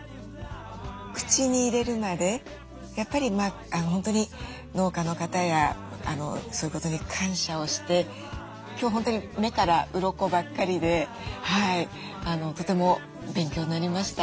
口に入れるまでやっぱり本当に農家の方やそういうことに感謝をして今日本当に目からうろこばっかりでとても勉強になりました。